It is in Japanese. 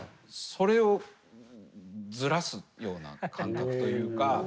それをズラすような感覚というか。